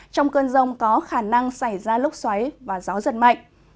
trong cơn rông có khả năng xảy ra lốc xoáy và gió giật mạnh